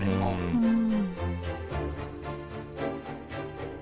うん！